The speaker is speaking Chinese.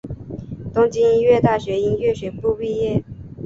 东京音乐大学音乐学部毕业。